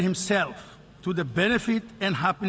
ขอบคุณครับ